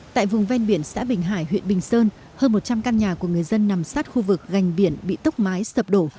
tại vùng ven biển xã bình hải huyện bình sơn hơn một trăm linh căn nhà của người dân nằm sát khu vực gành biển bị tốc mái sập đổ